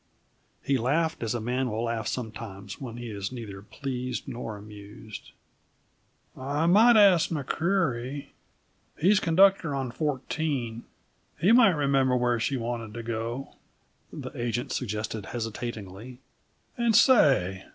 He laughed, as a man will laugh sometimes when he is neither pleased nor amused. "I might ask McCreery he's conductor on Fourteen. He might remember where she wanted to go," the agent suggested hesitatingly. "And say!